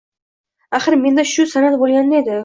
Agar menda shu san’at bo’lganda edi